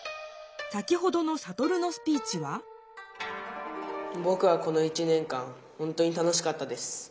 先ほどのサトルのスピーチは「ぼくはこの１年間本当に楽しかったです。